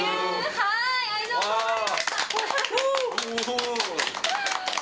はーい、ありがとうございました。